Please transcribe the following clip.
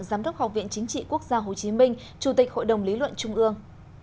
giám đốc học viện chính trị quốc gia hồ chí minh chủ tịch hội đồng lý luận trung ương